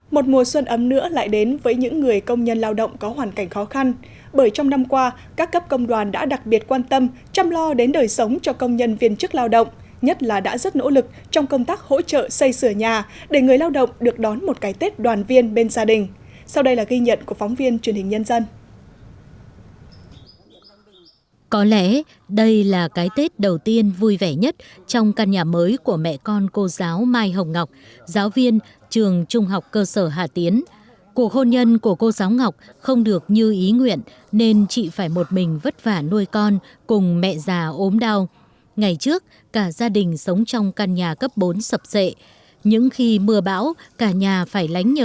một mùa xuân ấm nữa lại đến với những người công nhân lao động có hoàn cảnh khó khăn bởi trong năm qua các cấp công đoàn đã đặc biệt quan tâm chăm lo đến đời sống cho công nhân viên chức lao động nhất là đã rất nỗ lực trong công tác hỗ trợ xây sửa nhà để người lao động được đón một cái tết đoàn viên bên gia đình sau đây là ghi nhận của phóng viên truyền hình nhân dân